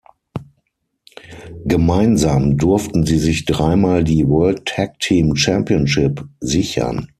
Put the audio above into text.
Gemeinsam durften sie sich dreimal die World Tag Team Championship sichern.